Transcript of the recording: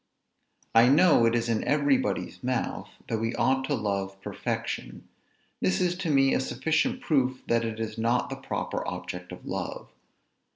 I know it is in every body's mouth, that we ought to love perfection. This is to me a sufficient proof, that it is not the proper object of love.